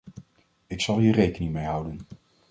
Ik zal hier rekening mee houden.